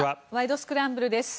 スクランブル」です。